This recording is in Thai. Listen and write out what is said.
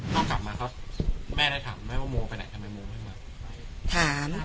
ตอนนั้นเขากลับมาแม่ได้ถามแม่ว่าโมงไปไหนทำไมโมงไม่มา